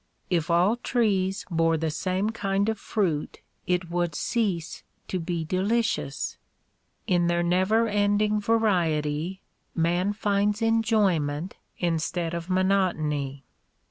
If all trees bore the same kind of fruit it would cease to be delicious. In their never ending variety man finds enjoyment instead of monotony.